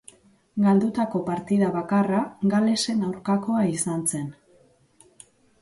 Galdutako partida bakarra Galesen aurkakoa izan zen.